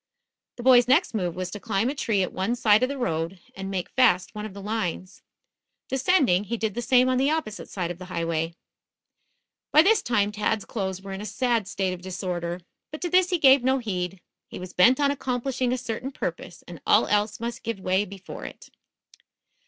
The boy's next move was to climb a tree at one side of the road, and make fast one of the lines. Descending, he did the same on the opposite side of the highway. By this time, Tad's clothes were in a sad state of disorder. But to this he gave no heed. He was bent on accomplishing a certain purpose, and all else must give way before it.